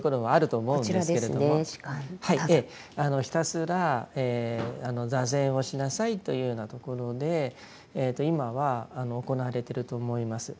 ひたすら坐禅をしなさいというようところで今は行われていると思います。